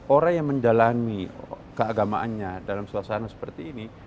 orang yang menjalani keagamaannya dalam suasana seperti ini